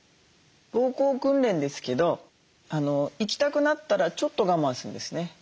膀胱訓練ですけど行きたくなったらちょっと我慢するんですね。